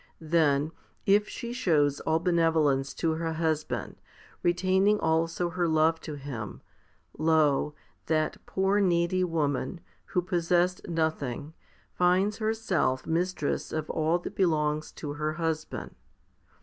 Then, if she shows all benevolence to her husband, retaining also her love to him, lo ! that poor needy woman, who possessed nothing, finds herself mistress of all that belongs to her husband.